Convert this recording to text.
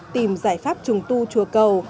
tìm giải pháp trùng thu chùa cầu